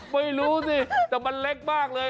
ไม่รู้สิแต่มันเล็กมากเลย